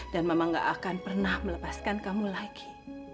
dan mama nggak akan pernah melepaskan kamu lagi